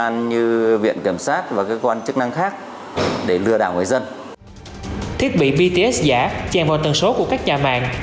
thiết bị bts giả chèn vào tần số của các nhà mạng